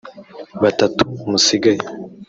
batatu musigaye